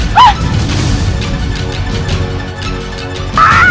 aku akan tunggu kamu sampai kapanpun herin